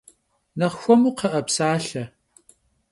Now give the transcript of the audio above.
Nexh xuemu, kxhı'e, psalhe!